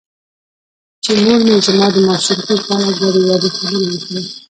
چې مور مې زما د ماشومتوب په اړه ګډې وګډې خبرې وکړې .